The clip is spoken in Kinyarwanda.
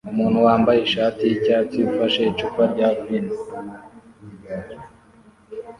Umuntu wambaye ishati yicyatsi ufashe icupa rya vino